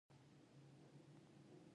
بامیان ملي پارک دی